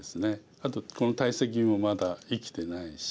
あとこの大石もまだ生きてないし。